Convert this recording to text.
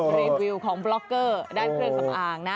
รีวิวของบล็อกเกอร์ด้านเครื่องสำอางนะ